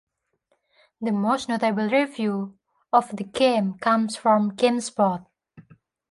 The most notable review of the game comes from GameSpot.